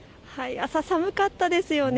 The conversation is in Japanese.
朝、寒かったですよね。